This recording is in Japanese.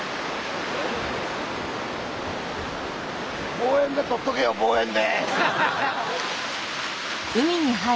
望遠で撮っとけよ望遠で！